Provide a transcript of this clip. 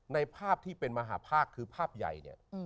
ในภาพที่เป็นมหาภาคคือภาพใหญ่เนี่ย